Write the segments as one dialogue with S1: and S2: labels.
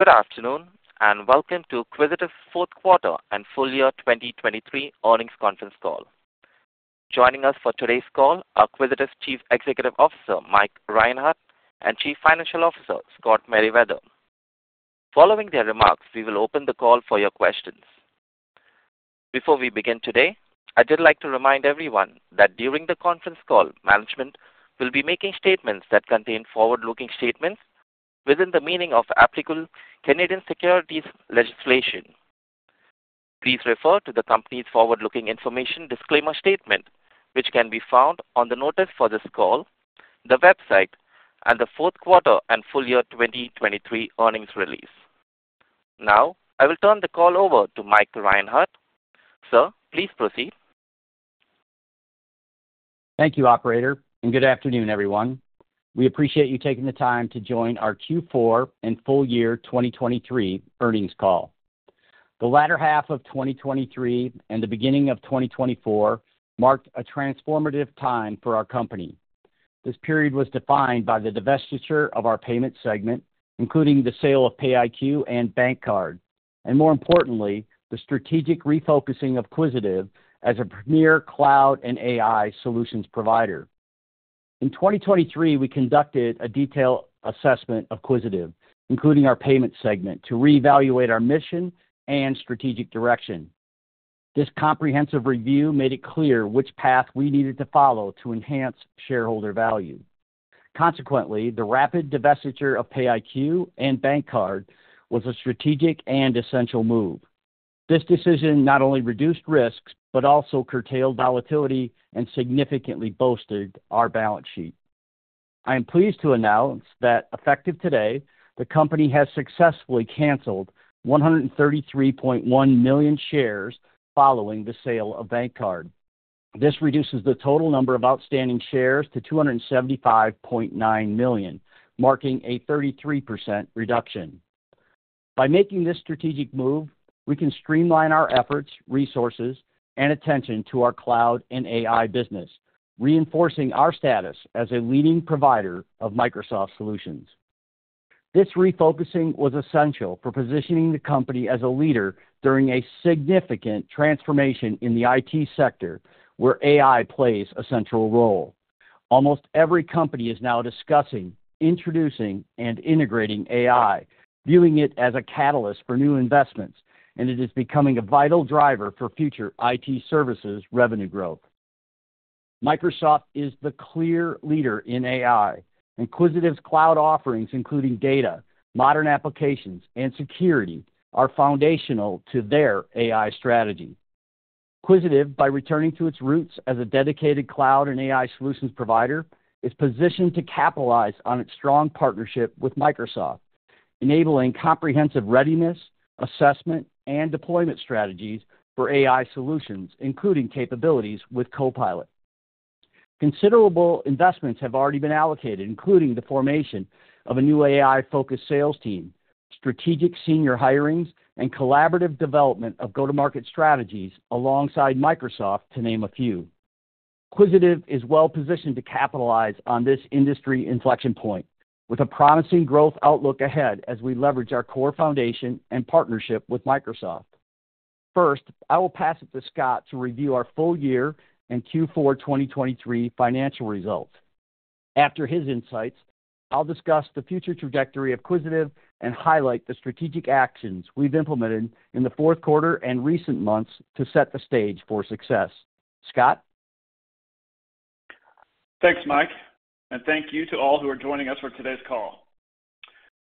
S1: Good afternoon and welcome to Quisitive's fourth quarter and full year 2023 earnings conference call. Joining us for today's call are Quisitive's Chief Executive Officer Mike Reinhart and Chief Financial Officer Scott Meriwether. Following their remarks, we will open the call for your questions. Before we begin today, I'd like to remind everyone that during the conference call management will be making statements that contain forward-looking statements within the meaning of applicable Canadian securities legislation. Please refer to the company's forward-looking information disclaimer statement which can be found on the notice for this call, the website, and the fourth quarter and full year 2023 earnings release. Now I will turn the call over to Mike Reinhart. Sir, please proceed.
S2: Thank you operator and good afternoon everyone. We appreciate you taking the time to join our Q4 and full year 2023 earnings call. The latter half of 2023 and the beginning of 2024 marked a transformative time for our company. This period was defined by the divestiture of our Payment segment including the sale of PayiQ and BankCard and more importantly the strategic refocusing of Quisitive as a premier Cloud and AI solutions provider. In 2023 we conducted a detailed assessment of Quisitive including our Payment segment to reevaluate our mission and strategic direction. This comprehensive review made it clear which path we needed to follow to enhance shareholder value. Consequently the rapid divestiture of PayiQ and BankCard was a strategic and essential move. This decision not only reduced risks but also curtailed volatility and significantly bolstered our balance sheet. I am pleased to announce that effective today, the company has successfully cancelled 133.1 million shares following the sale of BankCard. This reduces the total number of outstanding shares to 275.9 million, marking a 33% reduction. By making this strategic move, we can streamline our efforts, resources, and attention to our Cloud and AI business, reinforcing our status as a leading provider of Microsoft solutions. This refocusing was essential for positioning the company as a leader during a significant transformation in the IT sector where AI plays a central role. Almost every company is now discussing, introducing, and integrating AI, viewing it as a catalyst for new investments, and it is becoming a vital driver for future IT services revenue growth. Microsoft is the clear leader in AI and Quisitive's Cloud offerings, including data, modern applications, and security, are foundational to their AI strategy. Quisitive, by returning to its roots as a dedicated Cloud and AI solutions provider, is positioned to capitalize on its strong partnership with Microsoft enabling comprehensive readiness, assessment, and deployment strategies for AI solutions including capabilities with Copilot. Considerable investments have already been allocated including the formation of a new AI-focused sales team, strategic senior hirings, and collaborative development of go-to-market strategies alongside Microsoft, to name a few. Quisitive is well positioned to capitalize on this industry inflection point with a promising growth outlook ahead as we leverage our core foundation and partnership with Microsoft. First, I will pass it to Scott to review our full year and Q4 2023 financial results. After his insights, I'll discuss the future trajectory of Quisitive and highlight the strategic actions we've implemented in the fourth quarter and recent months to set the stage for success. Scott?
S3: Thanks Mike and thank you to all who are joining us for today's call.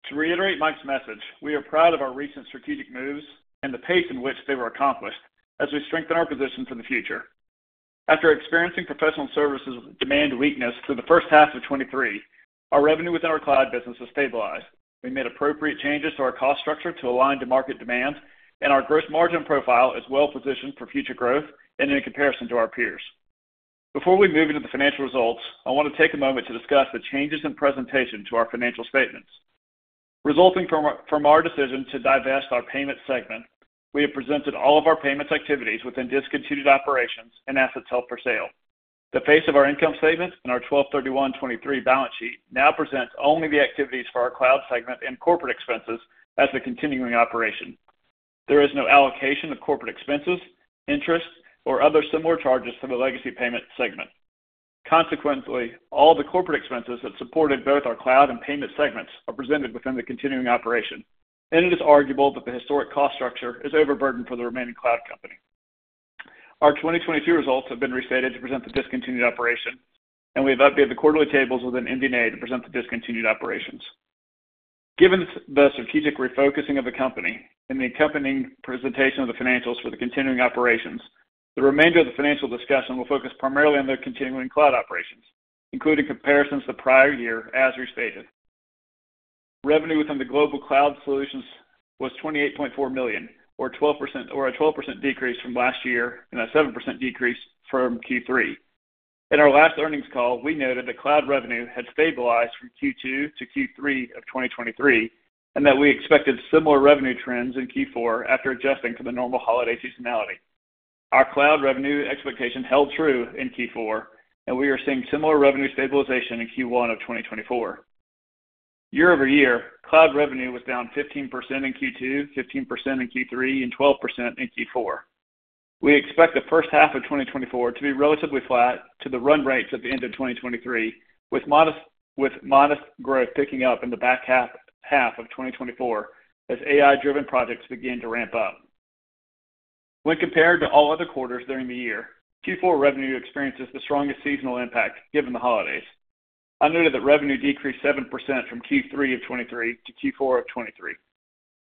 S3: To reiterate Mike's message we are proud of our recent strategic moves and the pace in which they were accomplished as we strengthen our position for the future. After experiencing professional services demand weakness through the first half of 2023 our revenue within our Cloud business has stabilized. We made appropriate changes to our cost structure to align to market demand and our gross margin profile is well positioned for future growth and in comparison to our peers. Before we move into the financial results I want to take a moment to discuss the changes in presentation to our financial statements. Resulting from our decision to divest our Payment segment we have presented all of our payments activities within discontinued operations and assets held for sale. The face of our income statement and our 12/31/2023 balance sheet now presents only the activities for our Cloud segment and corporate expenses as the continuing operation. There is no allocation of corporate expenses interest or other similar charges to the legacy Payment segment. Consequently all the corporate expenses that supported both our Cloud and Payment segments are presented within the continuing operation and it is arguable that the historic cost structure is overburdened for the remaining Cloud company. Our 2022 results have been restated to present the discontinued operation and we have updated the quarterly tables with an MD&A to present the discontinued operations. Given the strategic refocusing of the company and the accompanying presentation of the financials for the continuing operations the remainder of the financial discussion will focus primarily on the continuing Cloud operations including comparisons to prior year as restated. Revenue within the Global Cloud Solutions was 28.4 million or a 12% decrease from last year and a 7% decrease from Q3. In our last earnings call we noted that Cloud revenue had stabilized from Q2 to Q3 of 2023 and that we expected similar revenue trends in Q4 after adjusting to the normal holiday seasonality. Our Cloud revenue expectation held true in Q4 and we are seeing similar revenue stabilization in Q1 of 2024. Year-over-year Cloud revenue was down 15% in Q2, 15% in Q3, and 12% in Q4. We expect the first half of 2024 to be relatively flat to the run rates at the end of 2023 with modest growth picking up in the back half of 2024 as AI-driven projects begin to ramp up. When compared to all other quarters during the year, Q4 revenue experiences the strongest seasonal impact given the holidays. I noted that revenue decreased 7% from Q3 of 2023 to Q4 of 2023.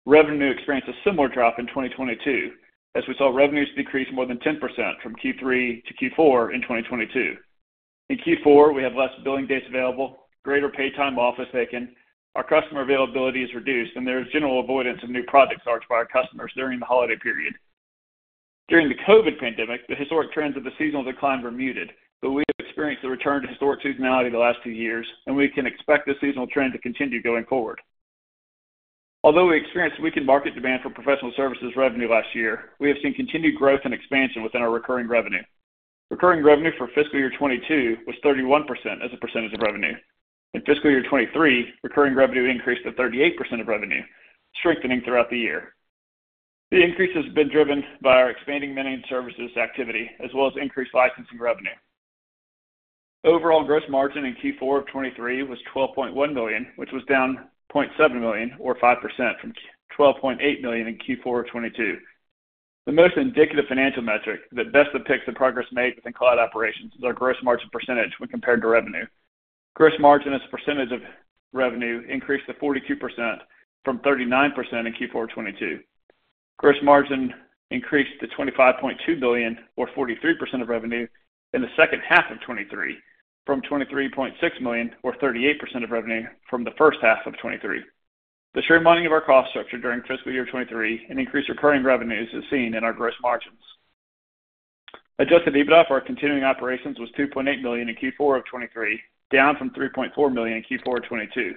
S3: Revenue experienced a similar drop in 2022 as we saw revenues decrease more than 10% from Q3 to Q4 in 2022. In Q4 we have less billing days available, greater paid time off, office vacant, our customer availability is reduced, and there is general avoidance of new projects initiated by our customers during the holiday period. During the COVID pandemic the historic trends of the seasonal decline were muted but we have experienced the return to historic seasonality the last two years and we can expect the seasonal trend to continue going forward. Although we experienced weakened market demand for professional services revenue last year we have seen continued growth and expansion within our recurring revenue. Recurring revenue for fiscal year 2022 was 31% as a percentage of revenue. In fiscal year 2023 recurring revenue increased to 38% of revenue strengthening throughout the year. The increase has been driven by our expanding managed services activity as well as increased licensing revenue. Overall gross margin in Q4 of 2023 was 12.1 million which was down 0.7 million or 5% from 12.8 million in Q4 of 2022. The most indicative financial metric that best depicts the progress made within Cloud operations is our gross margin percentage when compared to revenue. Gross margin as a percentage of revenue increased to 42% from 39% in Q4 of 2022. Gross margin increased to 25.2 billion or 43% of revenue in the second half of 2023 from 23.6 million or 38% of revenue from the first half of 2023. The streamlining of our cost structure during fiscal year 2023 and increased recurring revenues is seen in our gross margins. Adjusted EBITDA for our continuing operations was 2.8 million in Q4 of 2023 down from 3.4 million in Q4 of 2022.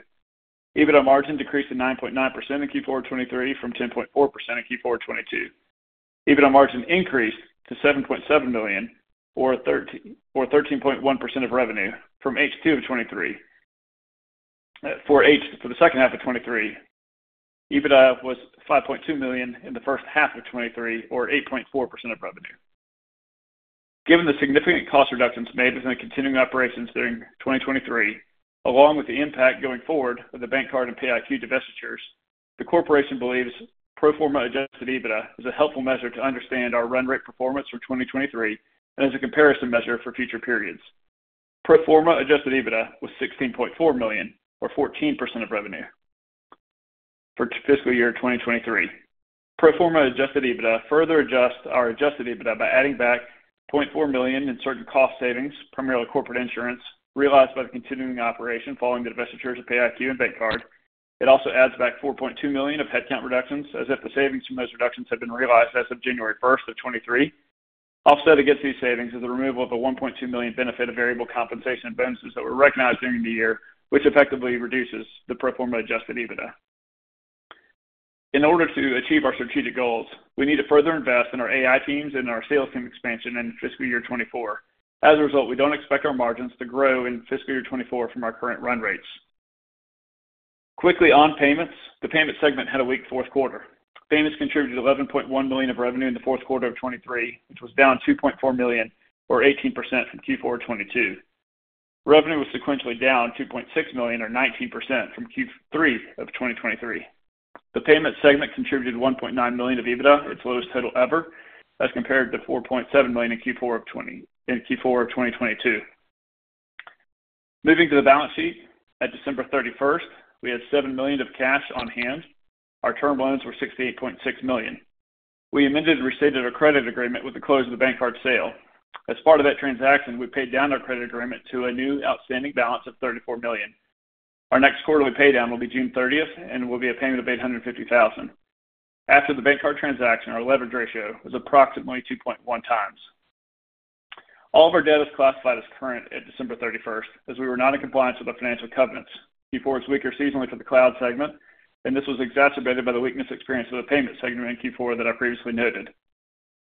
S3: EBITDA margin decreased to 9.9% in Q4 of 2023 from 10.4% in Q4 of 2022. EBITDA margin increased to 7.7 million or 13.1% of revenue from H2 of 2023. For the second half of 2023 EBITDA was 5.2 million in the first half of 2023 or 8.4% of revenue. Given the significant cost reductions made within the continuing operations during 2023 along with the impact going forward of the BankCard and PayiQ divestitures the corporation believes pro forma adjusted EBITDA is a helpful measure to understand our run rate performance for 2023 and as a comparison measure for future periods. Pro forma adjusted EBITDA was 16.4 million or 14% of revenue for fiscal year 2023. Pro forma adjusted EBITDA further adjusts our adjusted EBITDA by adding back 0.4 million in certain cost savings primarily corporate insurance realized by the continuing operation following the divestitures of PayiQ and BankCard. It also adds back 4.2 million of headcount reductions as if the savings from those reductions had been realized as of January 1, 2023. Offset against these savings is the removal of a 1.2 million benefit of variable compensation bonuses that were recognized during the year which effectively reduces the pro forma adjusted EBITDA. In order to achieve our strategic goals we need to further invest in our AI teams and our sales team expansion in fiscal year 2024. As a result we don't expect our margins to grow in fiscal year 2024 from our current run rates. Quickly on payments the Payment segment had a weak fourth quarter. Payments contributed 11.1 million of revenue in the fourth quarter of 2023, which was down 2.4 million or 18% from Q4 of 2022. Revenue was sequentially down 2.6 million or 19% from Q3 of 2023. The Payment segment contributed 1.9 million of EBITDA, its lowest total ever, as compared to 4.7 million in Q4 of 2022. Moving to the balance sheet, at December 31st we had 7 million of cash on hand. Our term loans were 68.6 million. We amended and restated our credit agreement with the close of the BankCard sale. As part of that transaction, we paid down our credit agreement to a new outstanding balance of 34 million. Our next quarterly paydown will be June 30th, and it will be a payment of 850,000. After the BankCard transaction, our leverage ratio was approximately 2.1 times. All of our debt is classified as current at December 31st as we were not in compliance with our financial covenants. Q4 was weaker seasonally for the Cloud segment and this was exacerbated by the weakness experienced with the Payment segment in Q4 that I previously noted.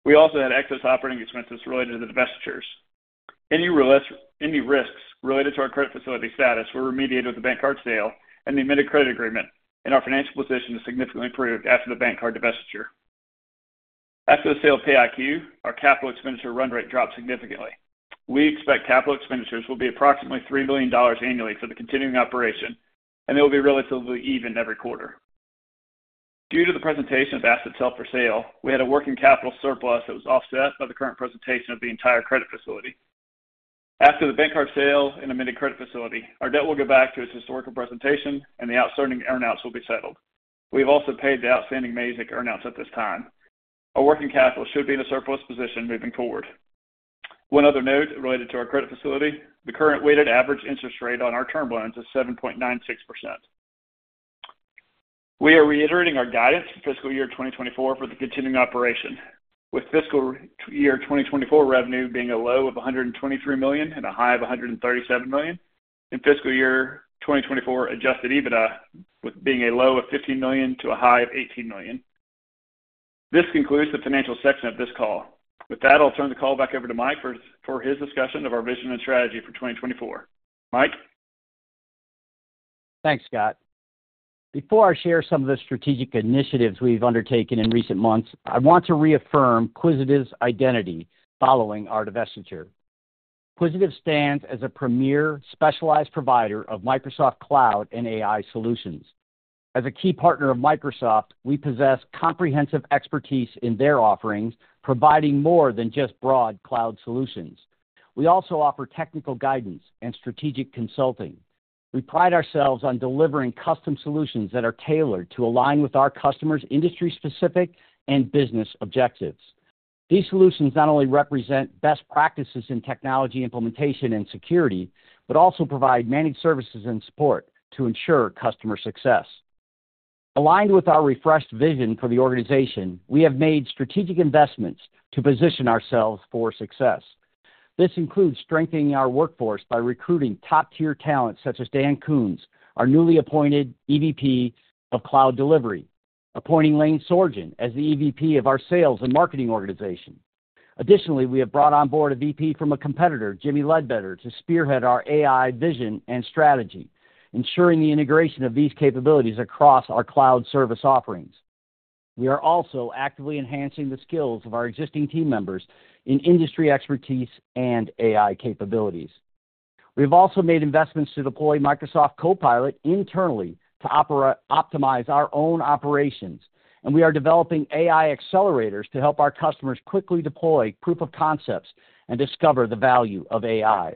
S3: We also had excess operating expenses related to the divestitures. Any risks related to our credit facility status were remediated with the BankCard sale and the amended credit agreement and our financial position is significantly improved after the BankCard divestiture. After the sale of PayiQ our capital expenditure run rate dropped significantly. We expect capital expenditures will be approximately 3 million dollars annually for the continuing operation and they will be relatively even every quarter. Due to the presentation of assets held for sale we had a working capital surplus that was offset by the current presentation of the entire credit facility. After the BankCard sale and amended credit facility, our debt will go back to its historical presentation and the outstanding earnouts will be settled. We have also paid the outstanding MazikCare earnouts at this time. Our working capital should be in a surplus position moving forward. One other note related to our credit facility, the current weighted average interest rate on our term loans is 7.96%. We are reiterating our guidance for fiscal year 2024 for the continuing operation with fiscal year 2024 revenue being a low of 123 million and a high of 137 million and fiscal year 2024 Adjusted EBITDA being a low of 15 million to a high of 18 million. This concludes the financial section of this call. With that I'll turn the call back over to Mike for his discussion of our vision and strategy for 2024. Mike?
S2: Thanks, Scott. Before I share some of the strategic initiatives we've undertaken in recent months, I want to reaffirm Quisitive's identity following our divestiture. Quisitive stands as a premier specialized provider of Microsoft Cloud and AI solutions. As a key partner of Microsoft, we possess comprehensive expertise in their offerings, providing more than just broad Cloud solutions. We also offer technical guidance and strategic consulting. We pride ourselves on delivering custom solutions that are tailored to align with our customers' industry-specific and business objectives. These solutions not only represent best practices in technology implementation and security but also provide managed services and support to ensure customer success. Aligned with our refreshed vision for the organization, we have made strategic investments to position ourselves for success. This includes strengthening our workforce by recruiting top-tier talent such as Dan Kunz, our newly appointed EVP of Cloud delivery. Appointing Lane Sorgen as the EVP of our sales and marketing organization. Additionally we have brought on board a VP from a competitor Jimmy Ledbetter to spearhead our AI vision and strategy ensuring the integration of these capabilities across our Cloud service offerings. We are also actively enhancing the skills of our existing team members in industry expertise and AI capabilities. We have also made investments to deploy Microsoft Copilot internally to optimize our own operations and we are developing AI accelerators to help our customers quickly deploy proof of concepts and discover the value of AI.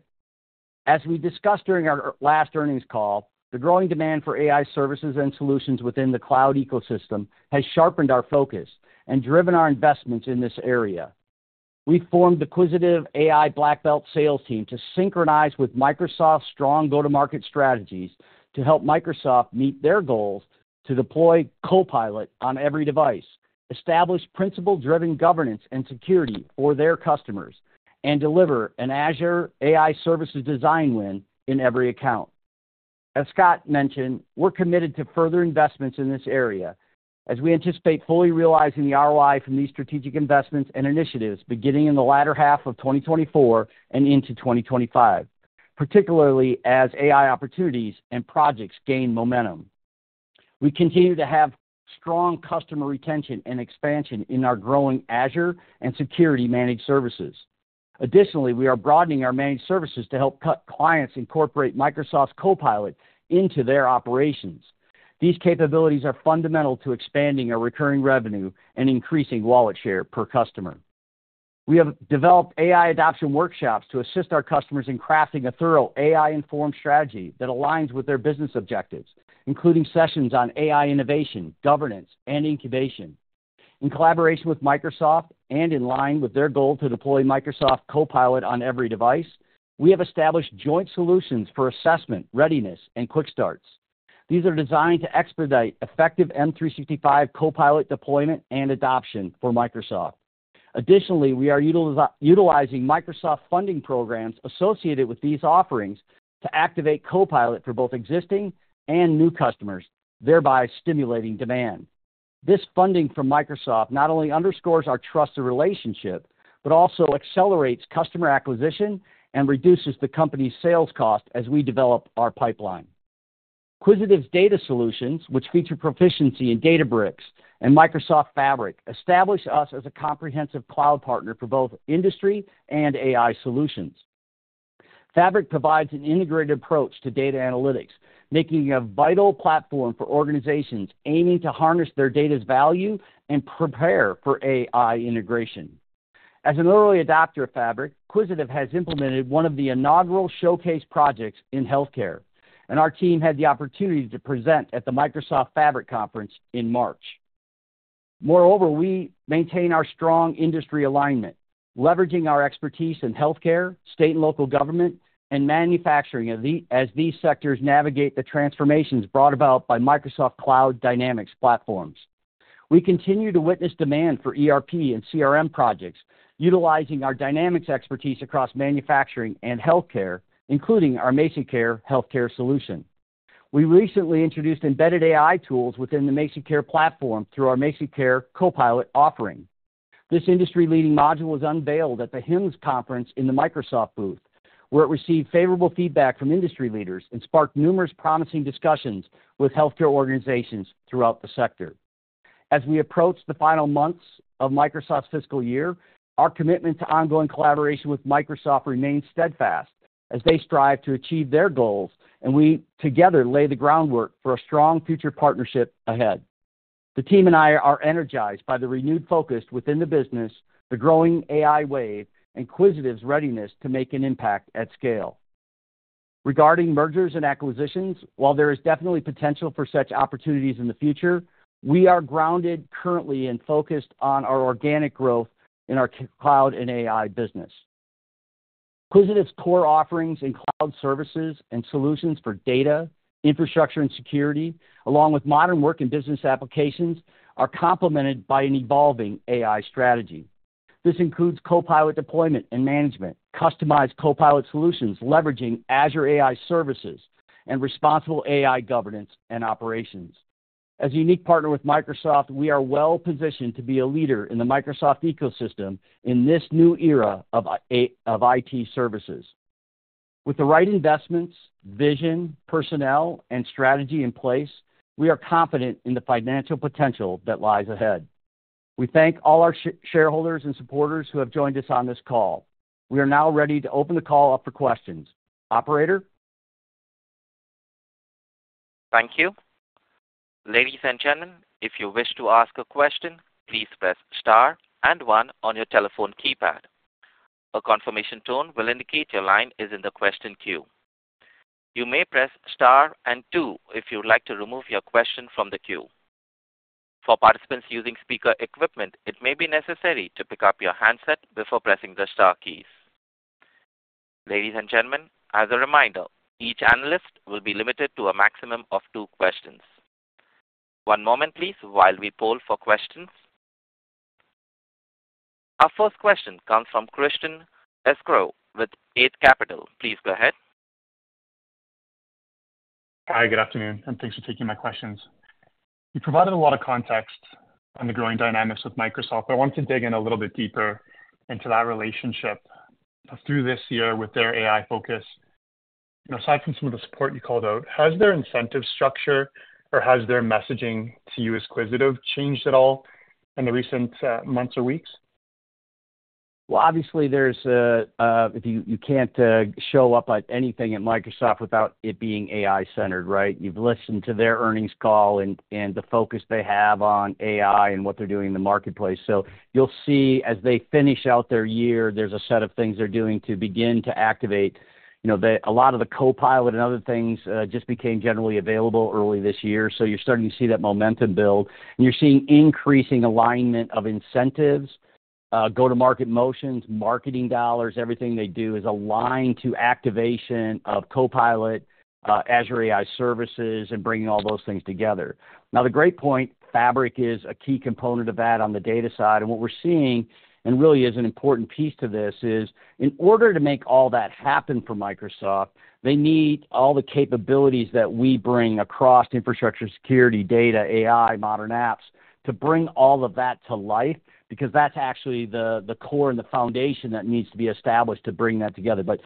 S2: As we discussed during our last earnings call the growing demand for AI services and solutions within the Cloud ecosystem has sharpened our focus and driven our investments in this area. We've formed the Quisitive AI Black Belt sales team to synchronize with Microsoft's strong go-to-market strategies to help Microsoft meet their goals to deploy Copilot on every device, establish principle-driven governance and security for their customers, and deliver an Azure AI Services design win in every account. As Scott mentioned, we're committed to further investments in this area as we anticipate fully realizing the ROI from these strategic investments and initiatives beginning in the latter half of 2024 and into 2025, particularly as AI opportunities and projects gain momentum. We continue to have strong customer retention and expansion in our growing Azure and security managed services. Additionally, we are broadening our managed services to help clients incorporate Microsoft Copilot into their operations. These capabilities are fundamental to expanding our recurring revenue and increasing wallet share per customer. We have developed AI adoption workshops to assist our customers in crafting a thorough AI-informed strategy that aligns with their business objectives including sessions on AI innovation, governance, and incubation. In collaboration with Microsoft and in line with their goal to deploy Microsoft Copilot on every device, we have established joint solutions for assessment, readiness, and quick starts. These are designed to expedite effective M365 Copilot deployment and adoption for Microsoft. Additionally, we are utilizing Microsoft funding programs associated with these offerings to activate Copilot for both existing and new customers, thereby stimulating demand. This funding from Microsoft not only underscores our trusted relationship but also accelerates customer acquisition and reduces the company's sales cost as we develop our pipeline. Quisitive's data solutions, which feature proficiency in Databricks and Microsoft Fabric, establish us as a comprehensive cloud partner for both industry and AI solutions. Fabric provides an integrated approach to data analytics, making a vital platform for organizations aiming to harness their data's value and prepare for AI integration. As an early adopter of Fabric, Quisitive has implemented one of the inaugural showcase projects in healthcare, and our team had the opportunity to present at the Microsoft Fabric Conference in March. Moreover, we maintain our strong industry alignment, leveraging our expertise in healthcare, state and local government, and manufacturing as these sectors navigate the transformations brought about by Microsoft Cloud Dynamics platforms. We continue to witness demand for ERP and CRM projects utilizing our Dynamics expertise across manufacturing and healthcare, including our MazikCare healthcare solution. We recently introduced embedded AI tools within the MazikCare platform through our MazikCare Copilot offering. This industry-leading module was unveiled at the HIMSS conference in the Microsoft booth where it received favorable feedback from industry leaders and sparked numerous promising discussions with healthcare organizations throughout the sector. As we approach the final months of Microsoft's fiscal year, our commitment to ongoing collaboration with Microsoft remains steadfast as they strive to achieve their goals and we together lay the groundwork for a strong future partnership ahead. The team and I are energized by the renewed focus within the business, the growing AI wave, and Quisitive's readiness to make an impact at scale. Regarding mergers and acquisitions, while there is definitely potential for such opportunities in the future we are grounded currently and focused on our organic growth in our Cloud and AI business. Quisitive's core offerings in cloud services and solutions for data, infrastructure, and security along with Modern Work and Business Applications are complemented by an evolving AI strategy. This includes Copilot deployment and management, customized Copilot solutions leveraging Azure AI services, and responsible AI governance and operations. As a unique partner with Microsoft we are well positioned to be a leader in the Microsoft ecosystem in this new era of IT services. With the right investments, vision, personnel, and strategy in place we are confident in the financial potential that lies ahead. We thank all our shareholders and supporters who have joined us on this call. We are now ready to open the call up for questions. Operator?
S1: Thank you. Ladies and gentlemen, if you wish to ask a question, please press star and one on your telephone keypad. A confirmation tone will indicate your line is in the question queue. You may press star and two if you would like to remove your question from the queue. For participants using speaker equipment, it may be necessary to pick up your handset before pressing the star keys. Ladies and gentlemen, as a reminder, each analyst will be limited to a maximum of two questions. One moment, please, while we poll for questions. Our first question comes from Christian Sgro with Eight Capital. Please go ahead.
S4: Hi, good afternoon, and thanks for taking my questions. You provided a lot of context on the growing dynamics with Microsoft but I wanted to dig in a little bit deeper into that relationship through this year with their AI focus. Aside from some of the support you called out has their incentive structure or has their messaging to you as Quisitive changed at all in the recent months or weeks?
S2: Well, obviously, if you can't show up at anything at Microsoft without it being AI centered, right. You've listened to their earnings call and the focus they have on AI and what they're doing in the marketplace, so you'll see as they finish out their year there's a set of things they're doing to begin to activate. A lot of the Copilot and other things just became generally available early this year, so you're starting to see that momentum build and you're seeing increasing alignment of incentives, go-to-market motions, marketing dollars, everything they do is aligned to activation of Copilot, Azure AI services, and bringing all those things together. Now, the great point, Fabric, is a key component of that on the data side, and what we're seeing and really is an important piece to this is in order to make all that happen for Microsoft they need all the capabilities that we bring across infrastructure, security, data, AI, modern apps to bring all of that to life because that's actually the core and the foundation that needs to be established to bring that together. But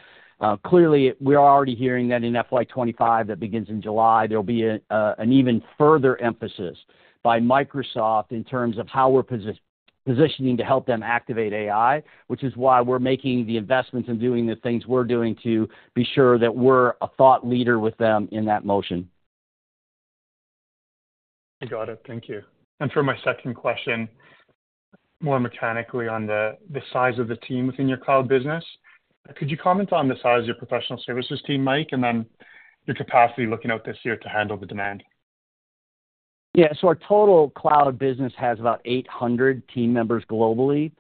S2: clearly, we are already hearing that in FY 2025, that begins in July, there'll be an even further emphasis by Microsoft in terms of how we're positioning to help them activate AI, which is why we're making the investments and doing the things we're doing to be sure that we're a thought leader with them in that motion.
S4: Got it. Thank you. For my second question, more mechanically, on the size of the team within your Cloud business, could you comment on the size of your professional services team, Mike, and then your capacity looking out this year to handle the demand?
S2: Yeah, so our total Cloud business has about 800 team members globally.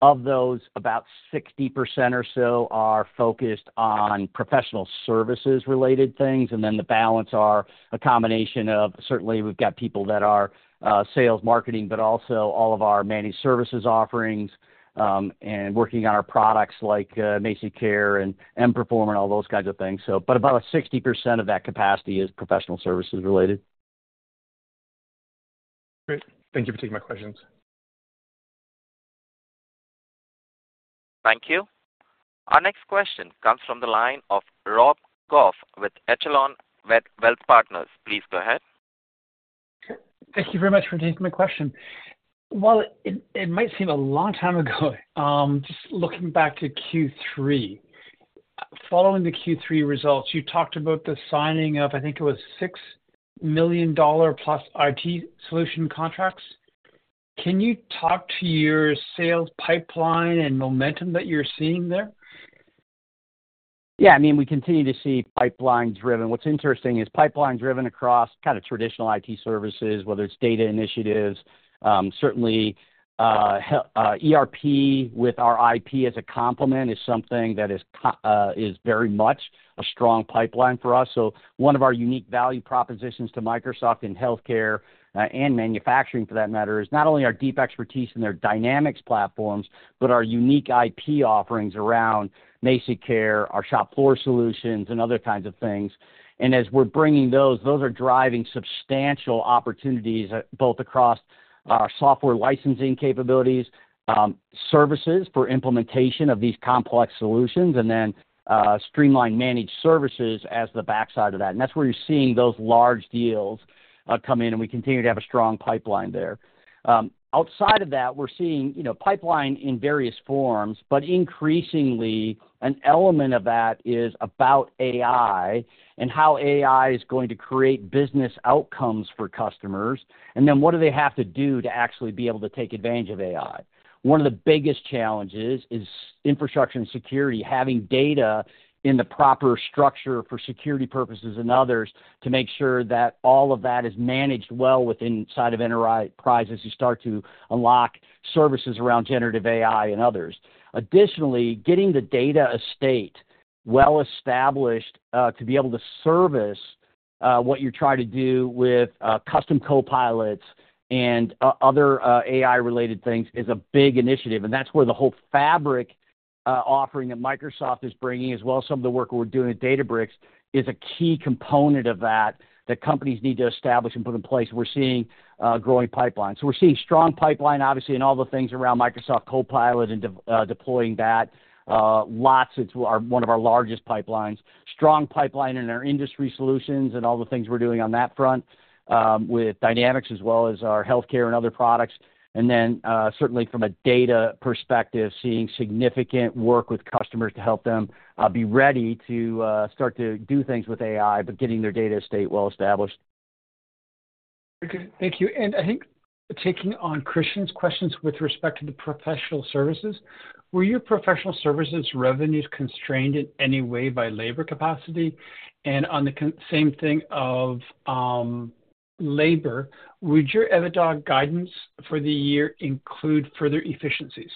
S2: Of those, about 60% or so are focused on professional services related things, and then the balance are a combination of certainly we've got people that are sales, marketing, but also all of our managed services offerings and working on our products like MazikCare and emPerform and all those kinds of things. But about 60% of that capacity is professional services related.
S4: Great. Thank you for taking my questions.
S1: Thank you. Our next question comes from the line of Rob Goff with Echelon Wealth Partners. Please go ahead.
S5: Thank you very much for taking my question. While it might seem a long time ago just looking back to Q3 following the Q3 results you talked about the signing of I think it was 6 million dollar plus IT solution contracts. Can you talk to your sales pipeline and momentum that you're seeing there?
S2: Yeah, I mean, we continue to see pipeline-driven. What's interesting is pipeline-driven across kind of traditional IT services whether it's data initiatives. Certainly ERP with our IP as a complement is something that is very much a strong pipeline for us. So one of our unique value propositions to Microsoft in healthcare and manufacturing for that matter is not only our deep expertise in their Dynamics platforms but our unique IP offerings around MazikCare, our ShopFloor solutions, and other kinds of things. And as we're bringing those those are driving substantial opportunities both across our software licensing capabilities, services for implementation of these complex solutions, and then streamlined managed services as the backside of that. And that's where you're seeing those large deals come in and we continue to have a strong pipeline there. Outside of that we're seeing pipeline in various forms but increasingly an element of that is about AI and how AI is going to create business outcomes for customers and then what do they have to do to actually be able to take advantage of AI. One of the biggest challenges is infrastructure and security having data in the proper structure for security purposes and others to make sure that all of that is managed well within inside of enterprise as you start to unlock services around generative AI and others. Additionally, getting the data estate well established to be able to service what you're trying to do with custom Copilots and other AI-related things is a big initiative, and that's where the whole Fabric offering that Microsoft is bringing, as well as some of the work we're doing at Databricks, is a key component of that that companies need to establish and put in place. We're seeing a growing pipeline. So we're seeing strong pipeline obviously in all the things around Microsoft Copilot and deploying that. Lots are one of our largest pipelines. Strong pipeline in our industry solutions and all the things we're doing on that front with Dynamics as well as our healthcare and other products. And then certainly from a data perspective seeing significant work with customers to help them be ready to start to do things with AI but getting their data estate well established.
S5: Very good. Thank you. And I think taking on Christian's questions with respect to the professional services, were your professional services revenues constrained in any way by labor capacity? And on the same thing of labor, would your EBITDA guidance for the year include further efficiencies?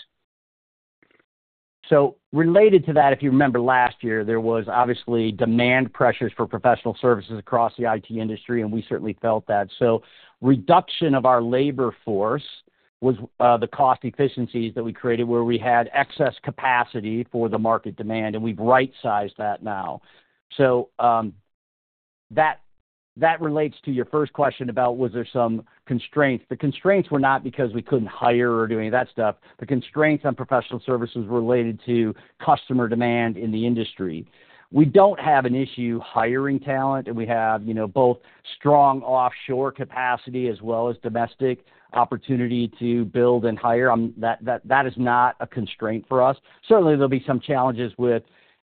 S2: So related to that if you remember last year there was obviously demand pressures for professional services across the IT industry and we certainly felt that. So reduction of our labor force was the cost efficiencies that we created where we had excess capacity for the market demand and we've right-sized that now. So that relates to your first question about was there some constraints. The constraints were not because we couldn't hire or do any of that stuff. The constraints on professional services related to customer demand in the industry. We don't have an issue hiring talent and we have both strong offshore capacity as well as domestic opportunity to build and hire. That is not a constraint for us. Certainly there'll be some challenges with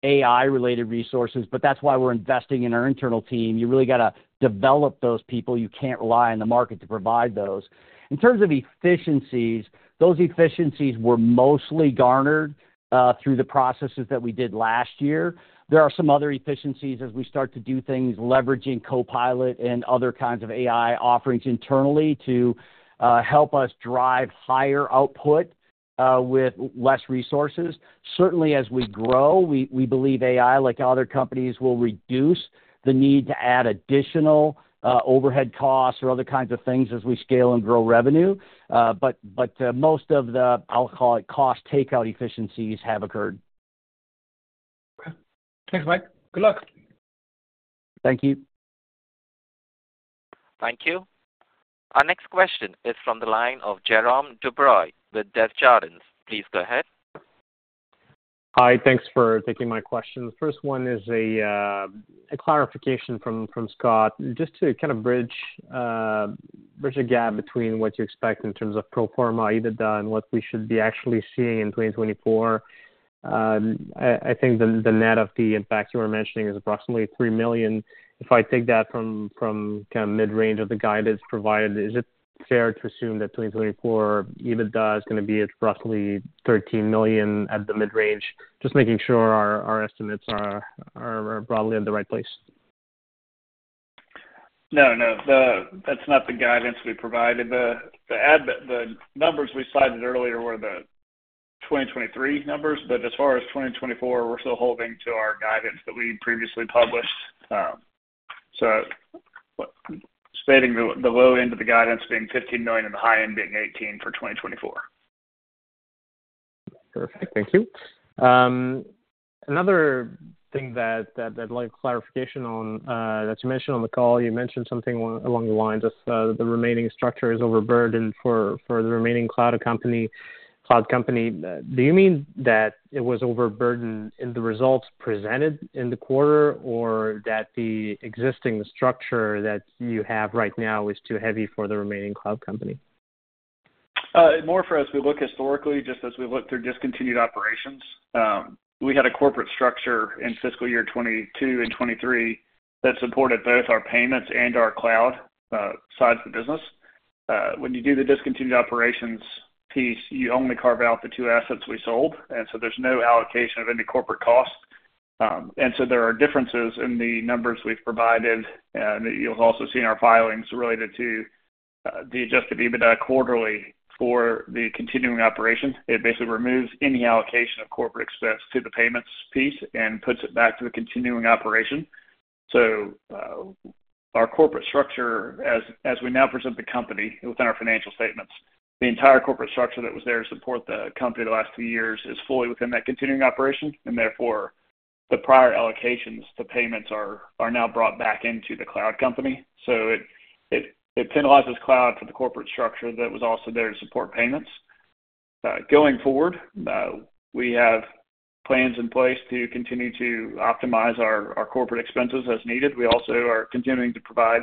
S2: AI related resources but that's why we're investing in our internal team. You really got to develop those people. You can't rely on the market to provide those. In terms of efficiencies, those efficiencies were mostly garnered through the processes that we did last year. There are some other efficiencies as we start to do things leveraging Copilot and other kinds of AI offerings internally to help us drive higher output with less resources. Certainly as we grow we believe AI like other companies will reduce the need to add additional overhead costs or other kinds of things as we scale and grow revenue. But most of the, I'll call it, cost takeout efficiencies have occurred.
S5: Okay. Thanks Mike. Good luck.
S2: Thank you.
S1: Thank you. Our next question is from the line of Jérome Dubreuil with Desjardins. Please go ahead.
S6: Hi, thanks for taking my questions. First one is a clarification from Scott, just to kind of bridge the gap between what you expect in terms of pro forma EBITDA and what we should be actually seeing in 2024. I think the net of the impact you were mentioning is approximately 3 million. If I take that from kind of the mid-range of the guidance provided, is it fair to assume that 2024 EBITDA is going to be at approximately 13 million at the mid-range? Just making sure our estimates are broadly at the right place.
S3: No no. That's not the guidance we provided. The numbers we cited earlier were the 2023 numbers but as far as 2024 we're still holding to our guidance that we previously published. So stating the low end of the guidance being 15 million and the high end being 18 million for 2024.
S6: Perfect. Thank you. Another thing that I'd like a clarification on, that you mentioned on the call: you mentioned something along the lines as the remaining structure is overburdened for the remaining cloud company. Do you mean that it was overburdened in the results presented in the quarter or that the existing structure that you have right now is too heavy for the remaining cloud company?
S3: More for us, we look historically just as we look through discontinued operations. We had a corporate structure in fiscal year 2022 and 2023 that supported both our payments and our Cloud sides of the business. When you do the discontinued operations piece, you only carve out the two assets we sold, and so there's no allocation of any corporate cost. And so there are differences in the numbers we've provided, and you'll also see in our filings related to the Adjusted EBITDA quarterly for the continuing operation. It basically removes any allocation of corporate expense to the payments piece and puts it back to the continuing operation. So our corporate structure as we now present the company within our financial statements, the entire corporate structure that was there to support the company the last two years is fully within that continuing operation and therefore the prior allocations to payments are now brought back into the Cloud company. So it penalizes Cloud for the corporate structure that was also there to support payments. Going forward we have plans in place to continue to optimize our corporate expenses as needed. We also are continuing to provide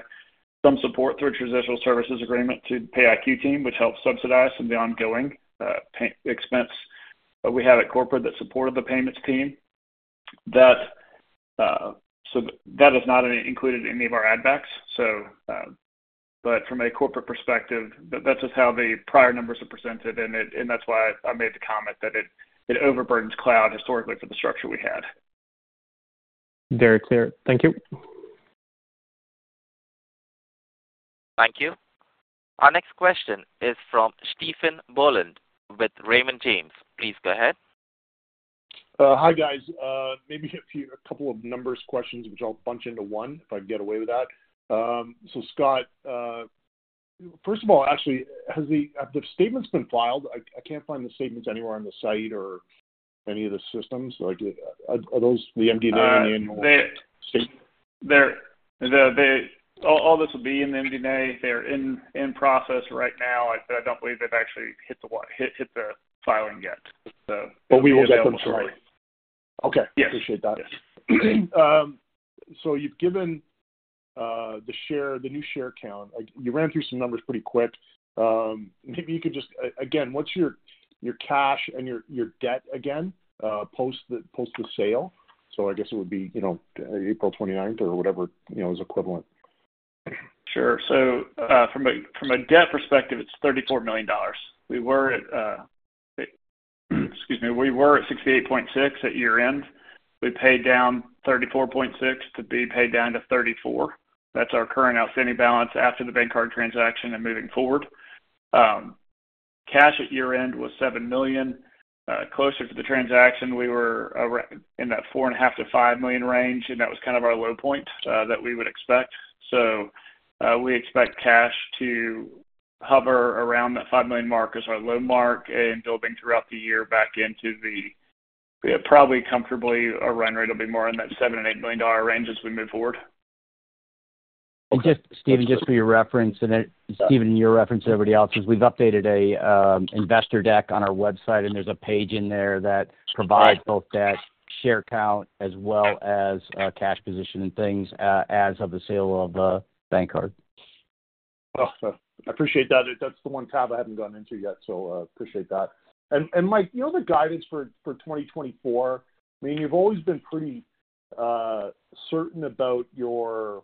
S3: some support through a transitional services agreement to the PayiQ team which helps subsidize some of the ongoing expense that we have at corporate that supported the payments team. That is not included in any of our add-backs so. From a corporate perspective that's just how the prior numbers are presented and that's why I made the comment that it overburdens Cloud historically for the structure we had.
S6: Very clear. Thank you.
S1: Thank you. Our next question is from Stephen Boland with Raymond James. Please go ahead.
S7: Hi guys. Maybe a couple of numbers questions which I'll bunch into one if I can get away with that. So Scott first of all actually has the statements been filed? I can't find the statements anywhere on the site or any of the systems. Are those the MD&A and the annual statement?
S3: They're, all this will be in the MD&A. They're in process right now but I don't believe they've actually hit the filing yet.
S7: But we will get them soon.
S3: Yes.
S7: Okay. Appreciate that. So you've given the new share count. You ran through some numbers pretty quick. Maybe you could just again what's your cash and your debt again post the sale? So I guess it would be April 29th or whatever is equivalent.
S3: Sure. So from a debt perspective it's 34 million dollars. We were at, excuse me, we were at 68.6 million at year end. We paid down 34.6 million to be paid down to 34 million. That's our current outstanding balance after the BankCard transaction and moving forward. Cash at year end was 7 million. Closer to the transaction we were in that 4.5 million-5 million range and that was kind of our low point that we would expect. So we expect cash to hover around that 5 million mark as our low mark and building throughout the year back into the probably comfortably a run rate will be more in that 7 million-8 million dollar range as we move forward.
S2: Well, just Stephen, just for your reference and Stephen in your reference and everybody else's, we've updated an investor deck on our website, and there's a page in there that provides both that share count as well as cash position and things as of the sale of the BankCard.
S7: I appreciate that. That's the one tab I haven't gone into yet, so appreciate that. And Mike, you know, the guidance for 2024—I mean, you've always been pretty certain about your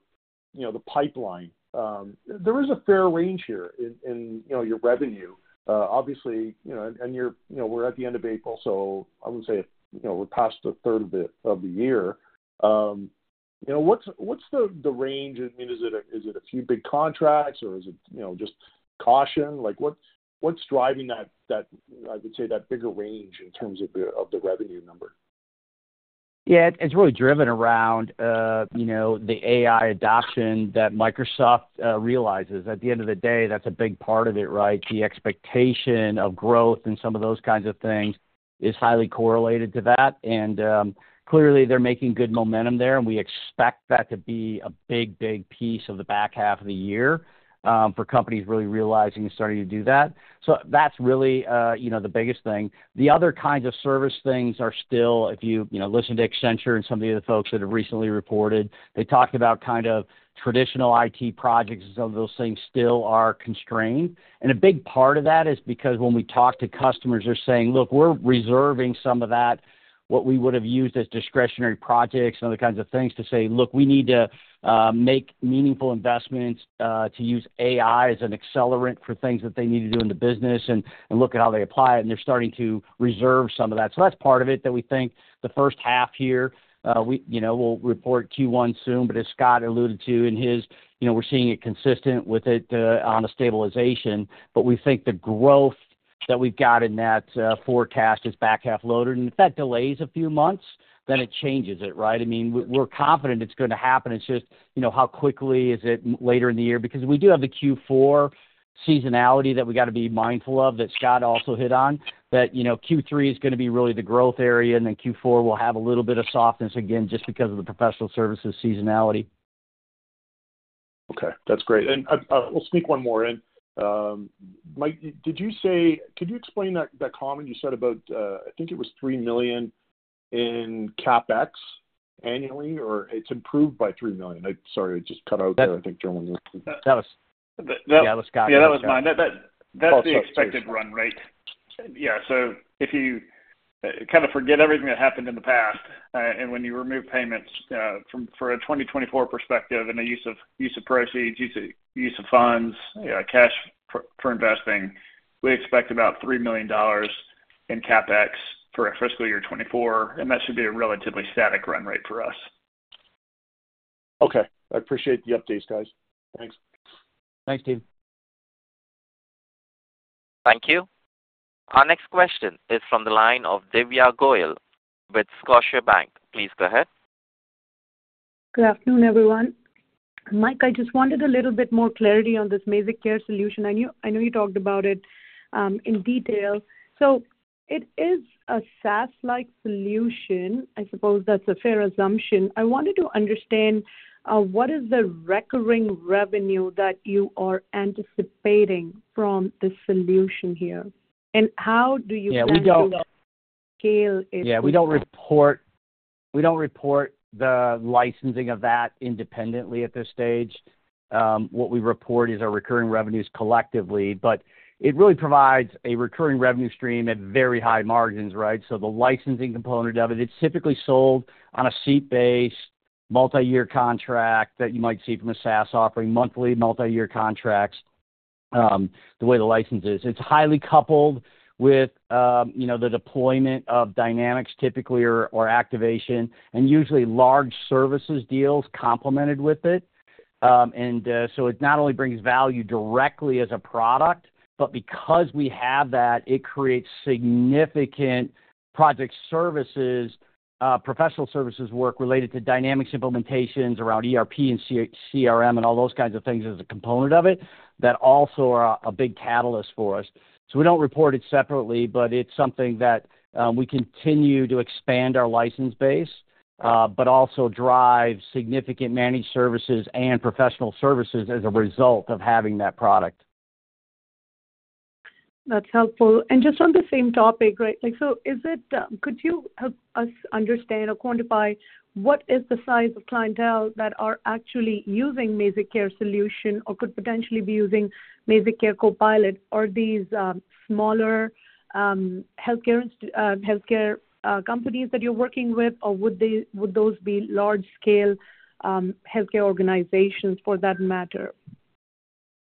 S7: pipeline. There is a fair range here in your revenue obviously, and we're at the end of April, so I would say we're past a third of the year. What's the range? I mean, is it a few big contracts or is it just caution? What's driving that bigger range in terms of the revenue number?
S2: Yeah, it's really driven around the AI adoption that Microsoft realizes. At the end of the day, that's a big part of it, right? The expectation of growth and some of those kinds of things is highly correlated to that, and clearly they're making good momentum there, and we expect that to be a big big piece of the back half of the year for companies really realizing and starting to do that. So that's really the biggest thing. The other kinds of service things are still, if you listen to Accenture and some of the other folks that have recently reported, they talked about kind of traditional IT projects and some of those things still are constrained. A big part of that is because when we talk to customers they're saying look we're reserving some of that what we would have used as discretionary projects and other kinds of things to say look we need to make meaningful investments to use AI as an accelerant for things that they need to do in the business and look at how they apply it and they're starting to reserve some of that. So that's part of it that we think the first half year we'll report Q1 soon but as Scott alluded to in his we're seeing it consistent with it on a stabilization but we think the growth that we've got in that forecast is back half loaded and if that delays a few months then it changes it right? I mean we're confident it's going to happen. It's just how quickly is it later in the year? Because we do have the Q4 seasonality that we got to be mindful of that Scott also hit on that Q3 is going to be really the growth area and then Q4 will have a little bit of softness again just because of the professional services seasonality.
S7: Okay. That's great. And I'll sneak one more in. Mike, did you say, could you explain that comment you said about, I think it was 3 million in CapEx annually or it's improved by 3 million? Sorry, it just cut out there. I think Jérome was.
S2: That was, yeah, that was Scott.
S3: Yeah, that was mine. That's the expected run rate. Yeah, so if you kind of forget everything that happened in the past and when you remove payments for a 2024 perspective and the use of proceeds, use of funds, cash for investing, we expect about 3 million dollars in CapEx for fiscal year 2024 and that should be a relatively static run rate for us.
S7: Okay. I appreciate the updates guys. Thanks.
S2: Thanks Steve.
S1: Thank you. Our next question is from the line of Divya Goyal with Scotiabank. Please go ahead.
S8: Good afternoon, everyone. Mike, I just wanted a little bit more clarity on this MazikCare solution. I know you talked about it in detail. So it is a SaaS-like solution I suppose that's a fair assumption. I wanted to understand what is the recurring revenue that you are anticipating from this solution here and how do you estimate the scale?
S2: Yeah, we don't report the licensing of that independently at this stage. What we report is our recurring revenues collectively, but it really provides a recurring revenue stream at very high margins, right? So the licensing component of it. It's typically sold on a seat-based multi-year contract that you might see from a SaaS offering. Monthly multi-year contracts the way the license is. It's highly coupled with the deployment of Dynamics typically or activation, and usually large services deals complemented with it. And so it not only brings value directly as a product, but because we have that, it creates significant project services, professional services work related to Dynamics implementations around ERP and CRM and all those kinds of things as a component of it that also are a big catalyst for us. So we don't report it separately, but it's something that we continue to expand our license base but also drive significant managed services and professional services as a result of having that product.
S8: That's helpful. Just on the same topic, right? So could you help us understand or quantify what is the size of clientele that are actually using MazikCare Solution or could potentially be using MazikCare Copilot? Are these smaller healthcare companies that you're working with or would those be large scale healthcare organizations for that matter?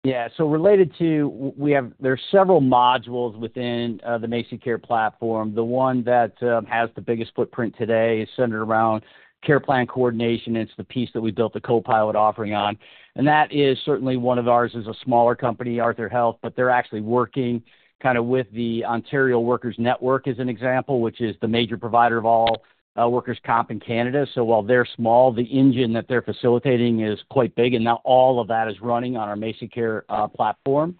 S2: Yeah, so related to, we have, there's several modules within the MazikCare platform. The one that has the biggest footprint today is centered around care plan coordination. It's the piece that we built the Copilot offering on, and that is certainly one of ours. It's a smaller company, Arthur Health, but they're actually working kind of with the Ontario Workers Network as an example, which is the major provider of all workers comp in Canada. So while they're small, the engine that they're facilitating is quite big, and now all of that is running on our MazikCare platform.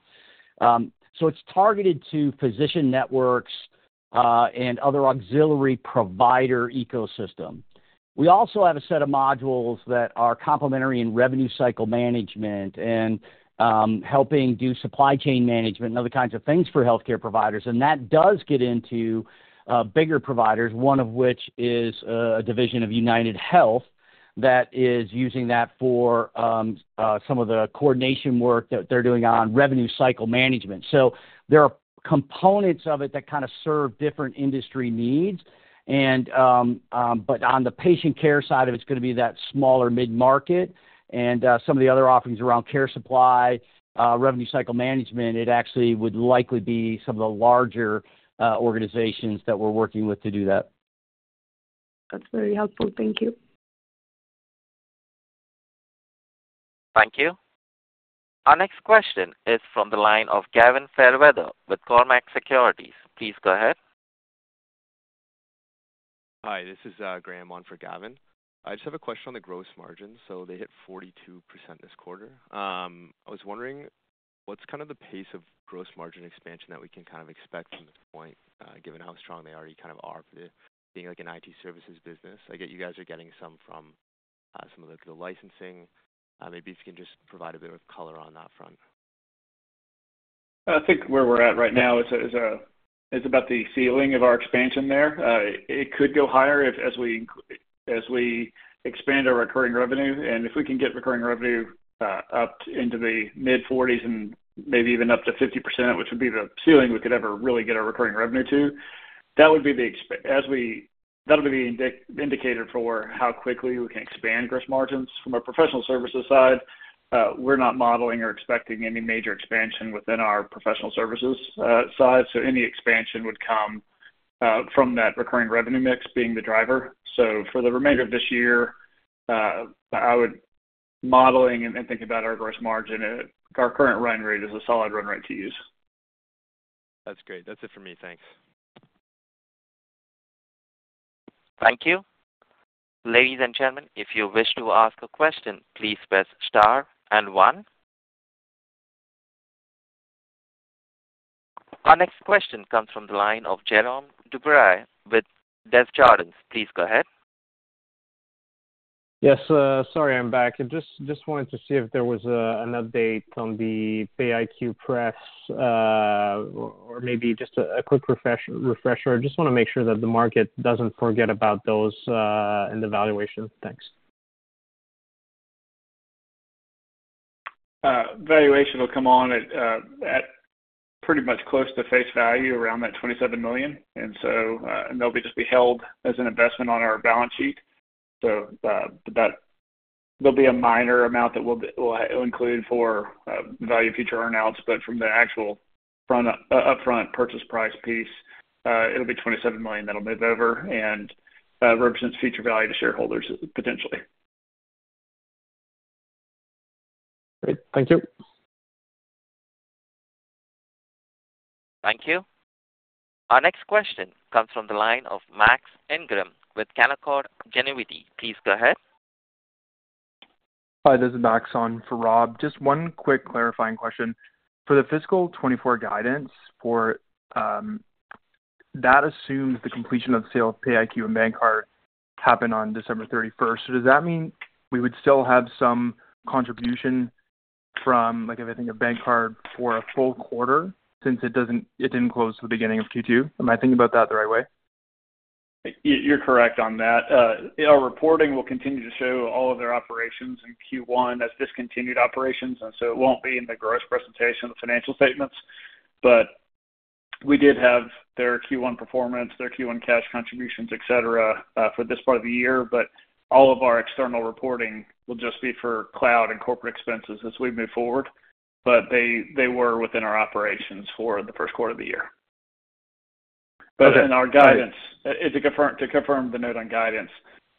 S2: So it's targeted to physician networks and other auxiliary provider ecosystem. We also have a set of modules that are complementary in revenue cycle management and helping do supply chain management and other kinds of things for healthcare providers and that does get into bigger providers one of which is a division of UnitedHealth that is using that for some of the coordination work that they're doing on revenue cycle management. So there are components of it that kind of serve different industry needs and but on the patient care side of it it's going to be that smaller mid-market and some of the other offerings around care supply revenue cycle management it actually would likely be some of the larger organizations that we're working with to do that.
S8: That's very helpful. Thank you.
S1: Thank you. Our next question is from the line of Gavin Fairweather with Cormark Securities. Please go ahead.
S9: Hi, this is Graham on for Gavin. I just have a question on the gross margin, so they hit 42% this quarter. I was wondering what's kind of the pace of gross margin expansion that we can kind of expect from this point given how strong they already kind of are for being an IT services business? I get you guys are getting some from some of the licensing. Maybe if you can just provide a bit of color on that front?
S3: I think where we're at right now is about the ceiling of our expansion there. It could go higher as we expand our recurring revenue and if we can get recurring revenue up into the mid-40s and maybe even up to 50% which would be the ceiling we could ever really get our recurring revenue to, that would be the, as we, that'll be the indicator for how quickly we can expand gross margins. From a professional services side we're not modeling or expecting any major expansion within our professional services side, so any expansion would come from that recurring revenue mix being the driver. So for the remainder of this year I would modeling and thinking about our gross margin, our current run rate is a solid run rate to use.
S9: That's great. That's it for me. Thanks.
S1: Thank you. Ladies and gentlemen, if you wish to ask a question, please press star and one. Our next question comes from the line of Jérome Dubreuil with Desjardins. Please go ahead.
S6: Yes, sorry, I'm back. Just wanted to see if there was an update on the PayiQ prefs or maybe just a quick refresher? I just want to make sure that the market doesn't forget about those in the valuation. Thanks.
S3: Valuation will come on at pretty much close to face value around that 27 million and so and they'll just be held as an investment on our balance sheet. So but that there'll be a minor amount that will include for value future earnouts but from the actual upfront purchase price piece it'll be 27 million that'll move over and represents future value to shareholders potentially.
S6: Great. Thank you.
S1: Thank you. Our next question comes from the line of Max Ingram with Canaccord Genuity. Please go ahead.
S10: Hi, this is Max on for Rob. Just one quick clarifying question. For the fiscal 2024 guidance that assumes the completion of the sale of PayiQ and BankCard happen on December 31st, so does that mean we would still have some contribution from if I think a BankCard for a full quarter since it didn't close the beginning of Q2? Am I thinking about that the right way?
S3: You're correct on that. Our reporting will continue to show all of their operations in Q1 as discontinued operations, and so it won't be in the gross presentation of the financial statements, but we did have their Q1 performance, their Q1 cash contributions, etc., for this part of the year, but all of our external reporting will just be for Cloud and corporate expenses as we move forward, but they were within our operations for the first quarter of the year. Our guidance, to confirm the note on guidance,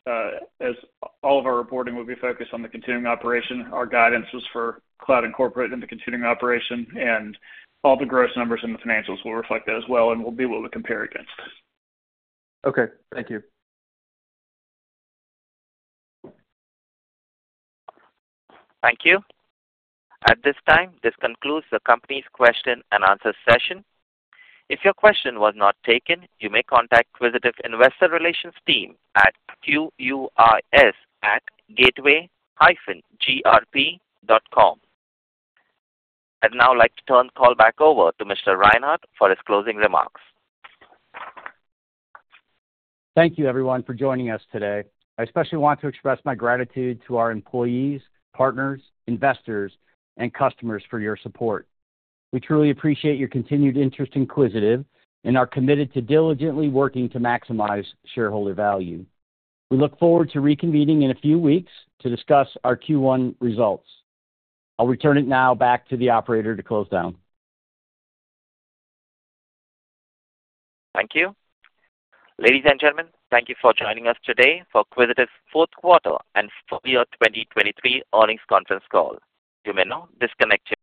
S3: as all of our reporting will be focused on the continuing operation, our guidance was for Cloud and corporate and the continuing operation, and all the gross numbers and the financials will reflect that as well, and will be what we compare against.
S10: Okay. Thank you.
S1: Thank you. At this time, this concludes the company's question and answer session. If your question was not taken, you may contact Quisitive Investor Relations team at quis@gateway-grp.com. I'd now like to turn the call back over to Mr. Reinhart for his closing remarks.
S2: Thank you, everyone, for joining us today. I especially want to express my gratitude to our employees, partners, investors, and customers for your support. We truly appreciate your continued interest in Quisitive and are committed to diligently working to maximize shareholder value. We look forward to reconvening in a few weeks to discuss our Q1 results. I'll return it now back to the operator to close down.
S1: Thank you. Ladies and gentlemen, thank you for joining us today for Quisitive's fourth quarter and full year 2023 earnings conference call. You may now disconnect your.